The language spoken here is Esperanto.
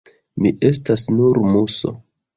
Mi estas nur muso.